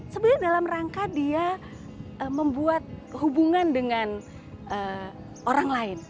sebenarnya dalam rangka dia membuat hubungan dengan orang lain